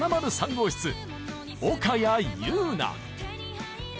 号室岡谷柚奈